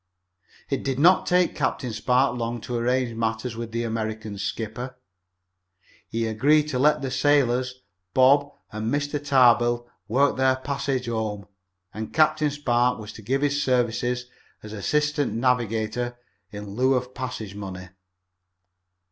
It did not take Captain Spark long to arrange matters with the American skipper. He agreed to let the sailors, Bob and Mr. Tarbill work their passage home, and Captain Spark was to give his services as assistant navigator in lieu of passage money.